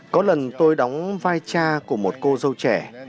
có lần tôi đóng vai cha của một cô dâu trẻ